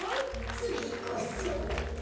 つぎこそ。